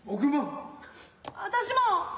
私も。